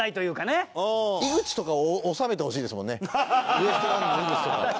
ウエストランドの井口とか。